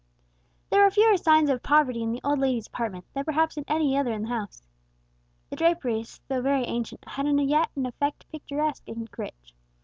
There were fewer signs of poverty in the old lady's apartment than perhaps in any other in the house. The draperies, though very ancient, had yet an effect picturesque and rich.